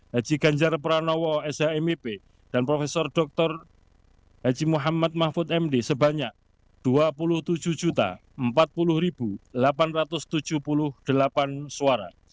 haji ganjar pranowo shmip dan prof dr haji muhammad mahfud md sebanyak dua puluh tujuh empat puluh delapan ratus tujuh puluh delapan suara